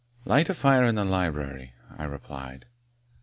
"Light a fire in the library," I replied.